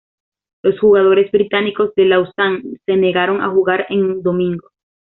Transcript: Los jugadores británicos de Lausanne se negaron a jugar en domingo.